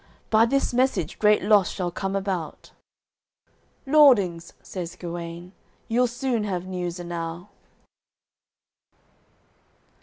By this message great loss shall come about." "Lordings," says Guene, "You'll soon have news enow."